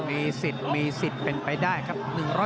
มีสิทธิ์มีสิทธิ์เป็นไปได้ครับ